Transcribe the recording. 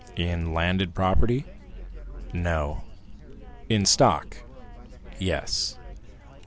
"In landed property?" "No." "In stock?" "Yes."